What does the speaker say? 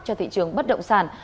cho thị trường bất động sản